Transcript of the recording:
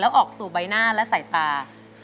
ออกสู่ใบหน้าและสายตา